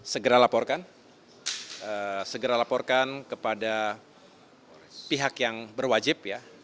segera laporkan segera laporkan kepada pihak yang berwajib ya